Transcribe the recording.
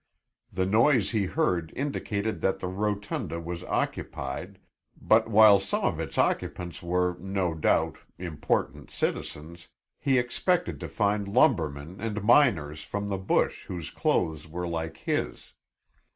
The noise he heard indicated that the rotunda was occupied, but while some of its occupants were, no doubt, important citizens, he expected to find lumbermen and miners from the bush whose clothes were like his.